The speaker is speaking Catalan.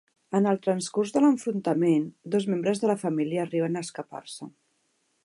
En el transcurs de l'enfrontament, dos membres de la família arriben a escapar-se.